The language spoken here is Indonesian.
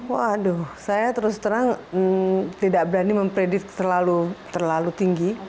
waduh saya terus terang tidak berani memprediksi terlalu tinggi